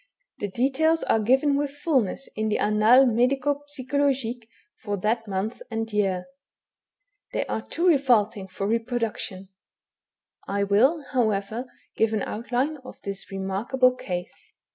The details are given with fulness in the Annates Medico psychologiques for that month and year. They are too revolting for reproduction. I will, however, give an outline of this remarkable case.